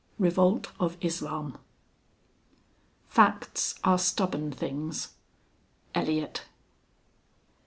REVOLT OF ISLAM. "Facts are stubborn things." ELLIOTT.